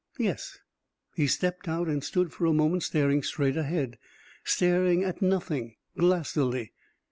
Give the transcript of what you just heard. Yes, he stepped out and stood for a moment staring straight ahead, staring at nothing, glassily.